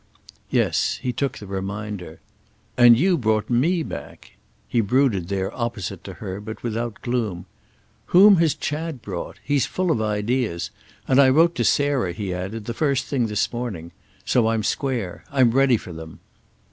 Yes—he took the reminder. "And you brought me back." He brooded there opposite to her, but without gloom. "Whom has Chad brought? He's full of ideas. And I wrote to Sarah," he added, "the first thing this morning. So I'm square. I'm ready for them."